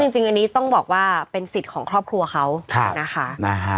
จริงอันนี้ต้องบอกว่าเป็นสิทธิ์ของครอบครัวเขานะคะ